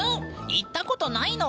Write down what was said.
行ったことないの？